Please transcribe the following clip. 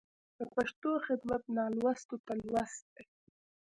د پښتو خدمت نالوستو ته لوست دی.